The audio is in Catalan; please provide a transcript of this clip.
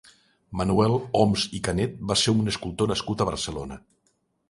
Manuel Oms i Canet va ser un escultor nascut a Barcelona.